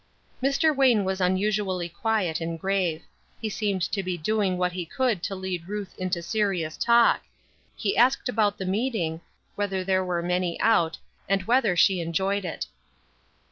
Mr. Wayne was unusually quiet and grave; he seemed to be doing what he could to lead Ruth into serious talk; he asked about the meeting, whether there were many out, and whether she enjoyed it.